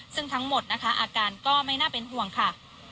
ซึ่งทั้งหมดนะคะอาการก็ไม่น่าเป็นห่วงค่ะ